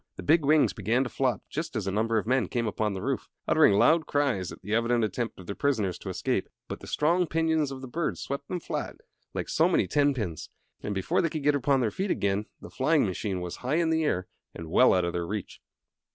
The big wings began to flop just as a number of men came upon the roof, uttering loud cries at the evident attempt of their prisoners to escape. But the strong pinions of the bird swept them flat, like so many ten pins, and before they could get upon their feet again the flying machine was high in the air and well out of their reach.